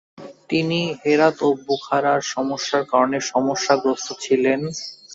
তিনি হেরাত ও বুখারার সমস্যার কারণে সমস্যাগ্রস্ত ছিলেন।